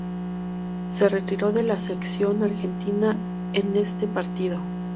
Se retiró de la selección Argentina en este partido.